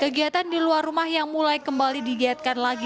kegiatan di luar rumah yang mulai kembali digiatkan lagi